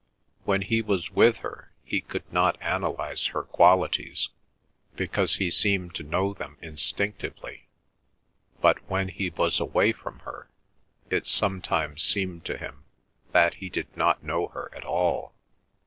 When he was with her he could not analyse her qualities, because he seemed to know them instinctively, but when he was away from her it sometimes seemed to him that he did not know her at all.